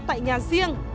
tại nhà riêng